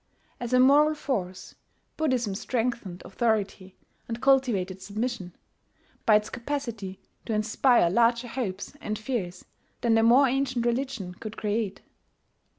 As a moral force, Buddhism strengthened authority and cultivated submission, by its capacity to inspire larger hopes and fears than the more ancient religion could create.